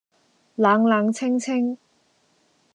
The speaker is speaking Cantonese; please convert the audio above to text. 冷冷清清，